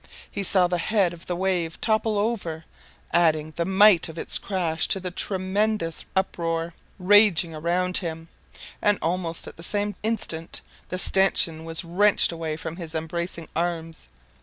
He saw the head of the wave topple over, adding the mite of its crash to the tremendous uproar raging around him, and almost at the same instant the stanchion was wrenched away from his embracing arms.